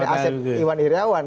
aset iwan iryawan